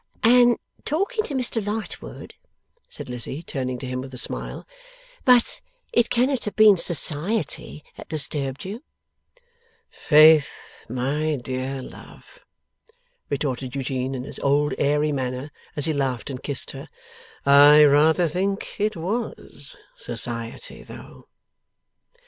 'And talking to Mr Lightwood,' said Lizzie, turning to him with a smile. 'But it cannot have been Society that disturbed you.' 'Faith, my dear love!' retorted Eugene, in his old airy manner, as he laughed and kissed her, 'I rather think it WAS Society though!